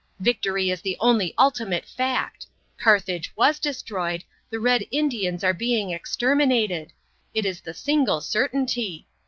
Victory is the only ultimate fact. Carthage was destroyed, the Red Indians are being exterminated: that is the single certainty.